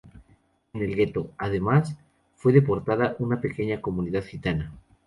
En el gueto, además, fue deportada una pequeña comunidad gitana.